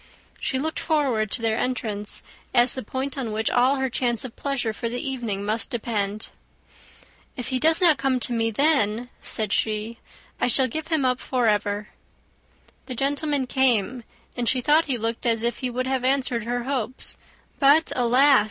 She looked forward to their entrance as the point on which all her chance of pleasure for the evening must depend. "If he does not come to me, then," said she, "I shall give him up for ever." The gentlemen came; and she thought he looked as if he would have answered her hopes; but, alas!